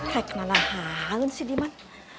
kayak mana hangun si diman